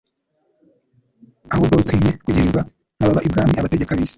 ahubwo bikwinye kugirwa n'ababa ibwami, abategeka b'isi,